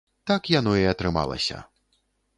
Так яно і атрымалася.